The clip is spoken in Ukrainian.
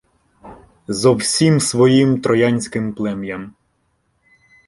Зо всім своїм троянським плем'ям.